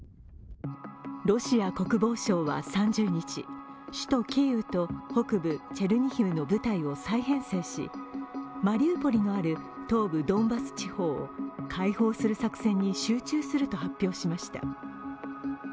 ロシア国防省は３０日、首都キーウと北部チェルニヒフの部隊を再編成し、マリウポリのある東部ドンバス地方を解放する作戦に集中すると発表しました。